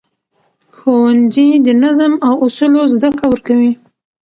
ښوونځی د نظم او اصولو زده کړه ورکوي